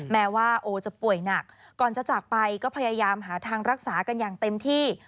แม้ว่าโอจะป่วยหนักก่อนจะจากไปก็พยายามหาทางรักษากันอย่างเต็มที่